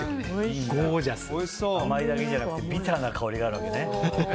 甘いだけじゃなくビターな香りがあるわけね。